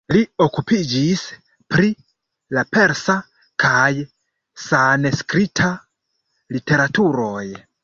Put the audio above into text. Li okupiĝis pri la persa kaj sanskrita literaturoj.